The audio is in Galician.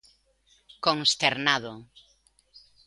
Consternado.